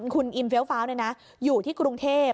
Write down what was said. คุณอิมเฟี้ยวฟ้าวอยู่ที่กรุงเทพ